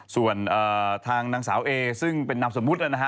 ส่วนทางนางสาวเอซึ่งเป็นนามสมมุตินะฮะ